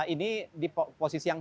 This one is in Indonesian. ini di posisi yang